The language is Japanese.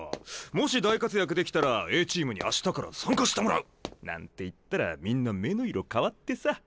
もし大活躍できたらＡチームに明日から参加してもらうなんて言ったらみんな目の色変わってさ。